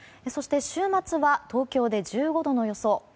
そして週末は東京で１５度の予想。